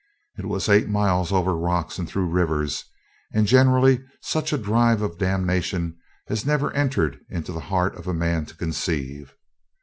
It was eight miles over rocks and through rivers, and generally such a drive of damnation as never entered into the heart of man to conceive.